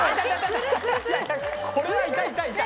これは痛い痛い痛い！